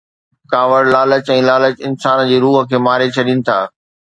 ڪاوڙ، لالچ ۽ لالچ انسان جي روح کي ماري ڇڏين ٿا.